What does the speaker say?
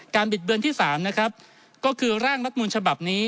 การบิดเบือนที่๓ก็คือร่างรัฐมนุนฉบับนี้